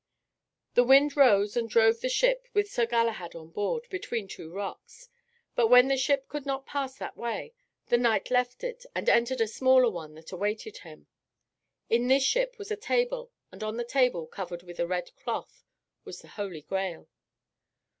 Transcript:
The wind rose and drove the ship, with Sir Galahad on board, between two rocks. But when the ship could not pass that way, the knight left it, and entered a smaller one that awaited him. In this ship was a table, and on the table, covered with a red cloth, was the Holy Grail.